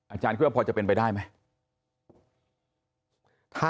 คิดว่าพอจะเป็นไปได้ไหม